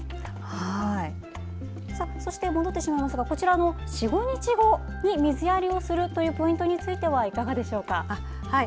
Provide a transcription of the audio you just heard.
そして戻ってしまいますが４５日後に水やりをするというポイントについてはいかがでしょうか。